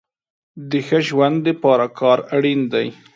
د ښه ژوند د پاره کار اړين دی